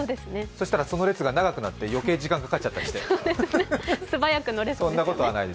そしたらその列が長くなって余計時間かかっちゃったりして。